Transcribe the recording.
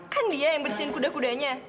kan dia yang bersihin kuda kudanya